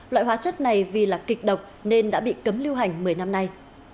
loại hóa chất này vì là kịch độc nên đã bị cấm lưu hành một mươi năm nay